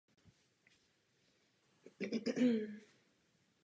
Žádné další tramvaje tohoto typu už do Moskvy dodány nebyly.